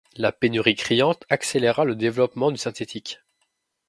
La pénurie criante accéléra le développement du synthétique.